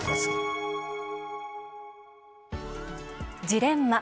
ジレンマ。